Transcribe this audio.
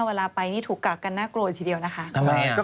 เวลาไปนี่ถูกกักกันน่ากลัวทีเดียวนะคะ